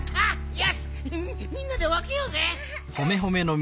よしみんなでわけようぜ。